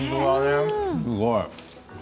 すごい。